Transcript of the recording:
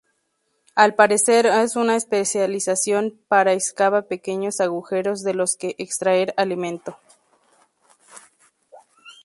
Al parecer es una especialización para excava pequeños agujeros de los que extraer alimento.